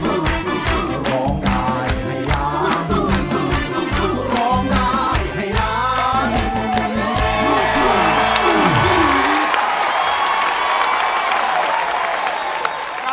ได้ครับ